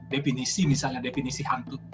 definisi misalnya definisi hantu